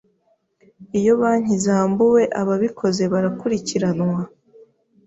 iyo banki zambuwe ababikoze barakurikiranywa